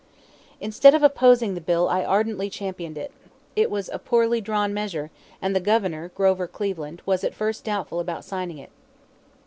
Instead of opposing the bill I ardently championed it. It was a poorly drawn measure, and the Governor, Grover Cleveland, was at first doubtful about signing it.